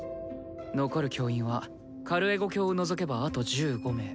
残る教員はカルエゴ卿を除けばあと１５名。